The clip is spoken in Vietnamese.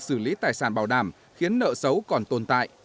xử lý tài sản bảo đảm khiến nợ xấu còn tồn tại